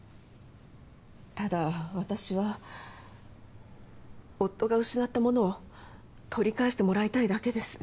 ただ私は夫が失ったものを取り返してもらいたいだけです。